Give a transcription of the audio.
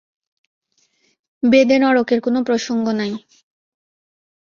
বেদে নরকের কোন প্রসঙ্গ নাই।